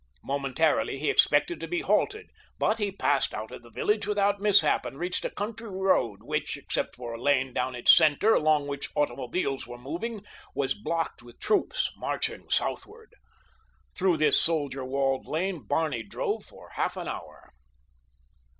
Momentarily he expected to be halted; but he passed out of the village without mishap and reached a country road which, except for a lane down its center along which automobiles were moving, was blocked with troops marching southward. Through this soldier walled lane Barney drove for half an hour.